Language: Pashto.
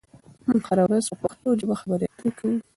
موږ هره ورځ په پښتو ژبه خبرې اترې کوو.